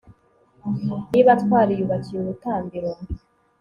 niba twariyubakiye urutambiro